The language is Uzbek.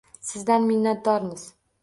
Sizdan minnatdormiz!